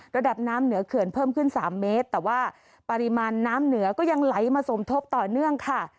ระดับน้ำเหนือเขื่อนเพิ่มขึ้น๓เมตรแต่ว่าปริมาณน้ำเหนือก็ยังไหลมาสมทบต่อเนื่องค่ะ